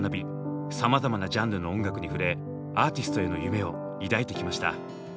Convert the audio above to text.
さまざまなジャンルの音楽に触れアーティストへの夢を抱いてきました。